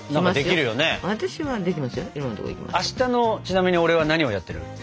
明日のちなみに俺は何をやってる？